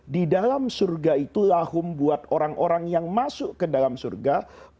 di dalam surga itu lahum buat orang orang yang masuk ke dalam surga